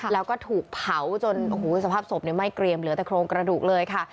แล้วก็ถูกเผาจนโอ้โหสภาพศพไม่เกรียมเหลือแต่โครงกระดูกเลยค่ะ